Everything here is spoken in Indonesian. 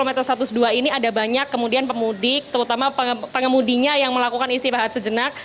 jadi saya melihat di rest area km satu ratus dua ini ada banyak kemudian pemudik terutama pengemudinya yang melakukan istirahat sejenak